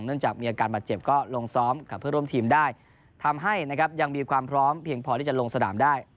เนื่องจากมีอาการบาดเจ็บก็ลงซ้อมเพื่อร่มทีมได้ทำให้ยังมีความพร้อมเพียงพอที่จะลงสะดามได้